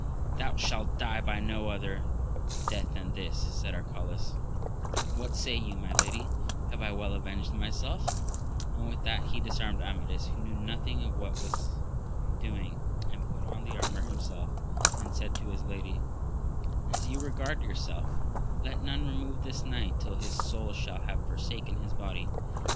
Thou shalt die by no other death than this, said Arcalaus : what say you, my lady, have I well avenged myself 1 and with that he disarmed Amadis, who knew nothing of what was doing, and put on the armour himself, and said to his lady, As you regard yourself, let none remove this knight till his soul shall have forsaken his body.